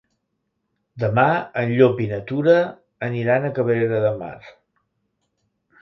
Demà en Llop i na Tura aniran a Cabrera de Mar.